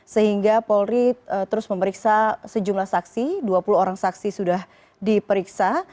sehingga polri terus memeriksa sejumlah saksi dua puluh orang saksi sudah diperiksa